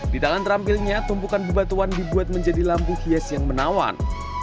di dalam terampilnya tumpukan bebatuan dibuat menjadi lampu hias yang menawan